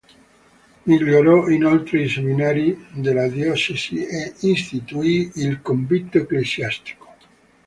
Migliorò inoltre i Seminari della diocesi e istituì il Convitto ecclesiastico.